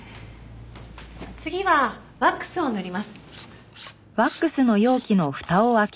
次はワックスを塗ります。